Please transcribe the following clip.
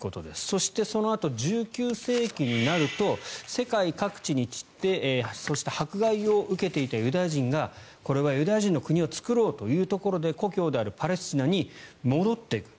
そして、そのあと１９世紀になると世界各地に散ってそして迫害を受けていたユダヤ人がこれはユダヤ人の国を作ろうというところで故郷であるパレスチナに戻ってくる。